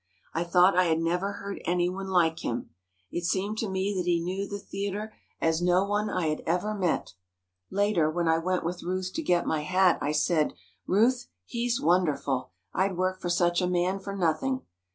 I thought I had never heard anyone like him. It seemed to me that he knew the theatre as no one I had ever met. Later, when I went with Ruth to get my hat, I said: 'Ruth, he's wonderful! I'd work for such a man for nothing.